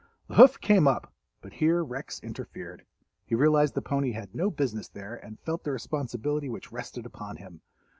The hoof came up—but here Rex interfered. He realized the pony had no business there and felt the responsibility which rested upon him.